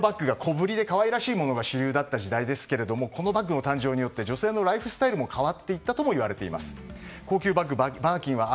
女性のバッグが小ぶりで可愛らしいものが主流だった時代にこのバッグの誕生によって女性のライフスタイルも変わっていったともいわれています。